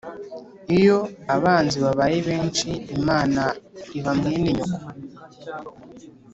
Iyo abanzi babaye benshi Imana iba mwene nyoko.